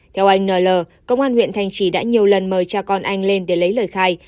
theo anh nl công an huyện thanh trì đã nhiều lần mời cha con anh lên để lấy lời khai